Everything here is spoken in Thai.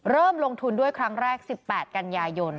เริ่มลงทุนด้วยครั้งแรก๑๘กันยายน